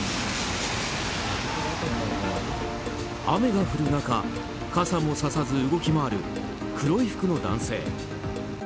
雨が降る中傘もささず動き回る黒い服の男性。